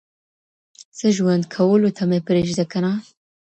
څه ژوند كولو ته مي پريږده كنه .